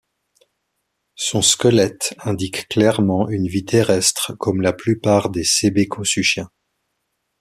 Son squelette indique clairement une vie terrestre comme pour la plupart des sébécosuchiens.